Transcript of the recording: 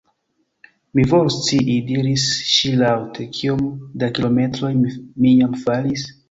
"Mi volus scii," diris ŝi laŭte, "kiom da kilometroj mi jam falis."